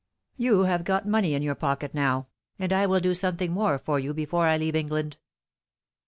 You have got money in your pocket now; and I will do something more for you before I leave England."